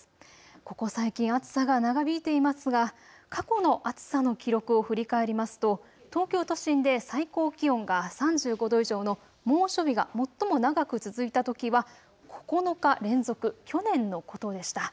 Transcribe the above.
ここ最近、暑さが長引いていますが過去の暑さの記録を振り返りますと東京都心で最高気温が３５度以上の猛暑日が最も長く続いたときは９日連続、去年のことでした。